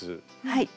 はい。